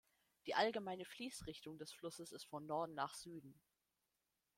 Die allgemeine Fließrichtung des Flusses ist von Norden nach Süden.